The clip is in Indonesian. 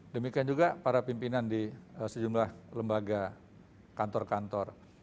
demikian juga para pimpinan di sejumlah lembaga kantor kantor